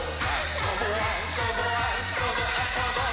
「そぼあそぼあそぼあそぼっ！」